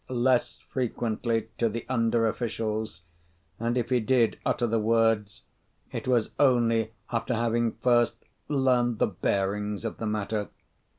less frequently to the under officials, and if he did utter the words, it was only after having first learned the bearings of the matter.